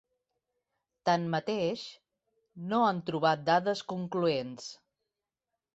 Tanmateix, no han trobat dades concloents.